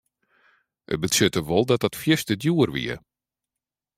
It betsjutte wol dat dat fierste djoer wie.